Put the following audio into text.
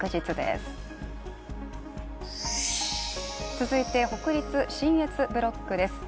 続いて北陸信越ブロックです。